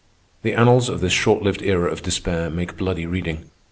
The annals of this short lived era of despair make bloody reading.